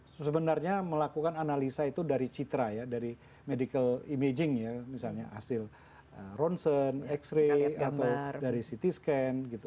sebenarnya melakukan analisa itu dari citra ya dari medical imaging ya misalnya hasil ronsen x ray atau dari ct scan gitu